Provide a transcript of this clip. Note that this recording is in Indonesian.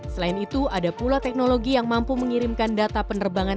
selain itu ada pula teknologi yang mampu mengirimkan data penerbangan